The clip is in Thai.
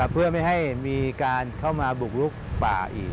เพื่อไม่ให้มีการเข้ามาบุกลุกป่าอีก